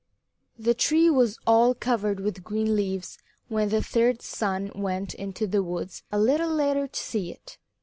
The tree was all covered with green leaves when the third son went into the woods a little later to see it.